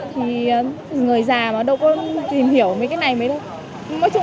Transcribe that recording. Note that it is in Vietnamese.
thì người già mà đâu có tìm hiểu mấy cái này mấy đứa